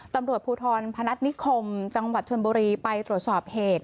ตำรวจภูทรพนัฐนิคมจังหวัดชนบุรีไปตรวจสอบเหตุ